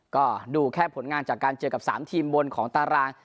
ก็ดูแค่ผลงานจากการเจอกับ๓ทีมบนของตาราง